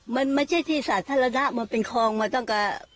มันไม่ใช่ที่สาธารณะมันเป็นคลองมาตั้งแต่